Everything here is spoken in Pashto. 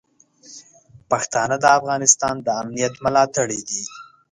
پښتانه د افغانستان د امنیت ملاتړي دي.